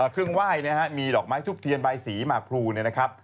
เครื่องไหว้มีดอกไม้ทูปเทียนใบสีหมากพรูนะครับ